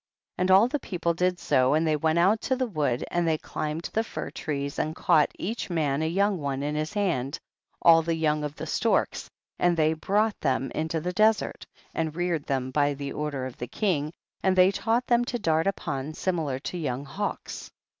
18. And all the people did so, and they went out to the wood and they climbed the fir trees and caught, each man a young one in his hand, all the young of the storks, and they brought them into the desert and reared them by order of the king, and they taught them to dart upon, similar to the young hawks.